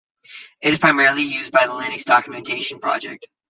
It is primarily used by the Linux Documentation Project.